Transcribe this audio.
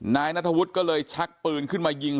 นายนัทวุฒิก็เลยชักปืนขึ้นมายิง